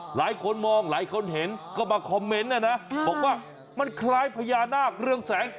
หลายคนมองหลายคนเห็นก็มาคอมเมนต์นะนะบอกว่ามันคล้ายพญานาคเรื่องแสง